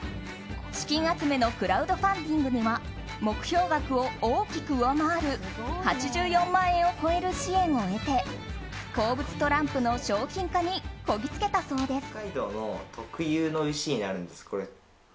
資金集めのクラウドファンディングでは目標額を大きく上回る８４万円を超える支援を得て鉱物トランプの商品化にこぎつけたそうです。